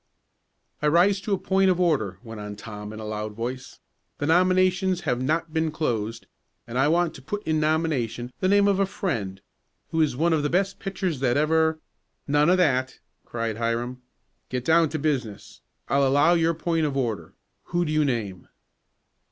"I rise to a point of order," went on Tom, in a loud voice. "The nominations have not been closed, and I want to put in nomination the name of a friend, who is one of the best pitchers that ever " "None of that!" cried Hiram. "Get down to business. I'll allow your point of order. Who do you name?"